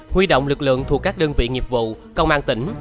huy động lực lượng thuộc các đơn vị nghiệp vụ công an tỉnh